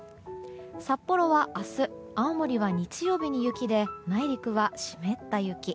札幌は明日青森は日曜日に雪で内陸は湿った雪。